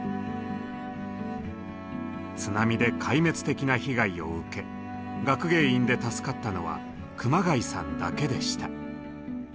津波で壊滅的な被害を受け学芸員で助かったのは熊谷さんだけでした。